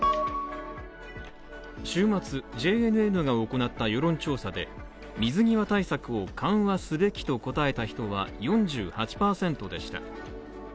週末、ＪＮＮが行った世論調査で水際対策を緩和すべきと答えた人は４８％でした。